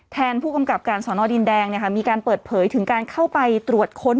แทนผู้กำกับการศรดินแดงเนี่ยค่ะมีการเปิดเผยถึงการเข้าไปตรวจค้น